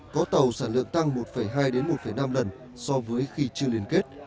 có tàu sản lượng tăng một hai một năm lần so với khi chưa liên kết